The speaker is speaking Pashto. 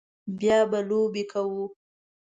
بیا به لوبې کوو